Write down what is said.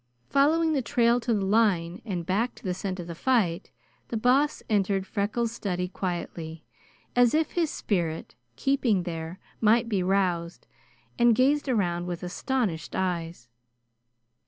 Following the trail to the line and back to the scent of the fight, the Boss entered Freckles' study quietly, as if his spirit, keeping there, might be roused, and gazed around with astonished eyes.